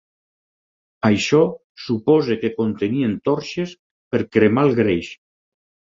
Això suposa que contenien torxes per cremar el greix.